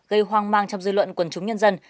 gây hoang mang trong dư luận quần chúng nhân dân